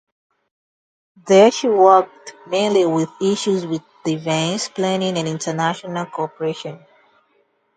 There she worked mainly with issues with defence planning and international cooperation.